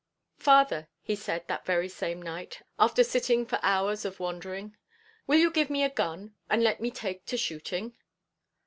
"Father," he said that very same night, after sitting for hours of wandering, "will you give me a gun and let me take to shooting?"